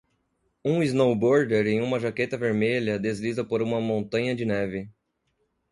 Um snowboarder em uma jaqueta vermelha desliza por uma montanha de neve.